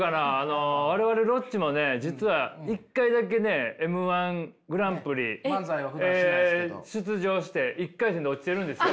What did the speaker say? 我々ロッチもね実は１回だけねＭー１グランプリ出場して１回戦で落ちてるんですよ。